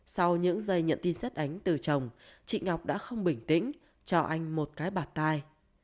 sau những giây nhận tin xét ánh từ chồng chị ngọc đã không bình tĩnh cho anh một cái bạt tai